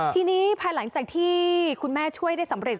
ทีนี้ภายหลังจากที่คุณแม่ช่วยได้สำเร็จ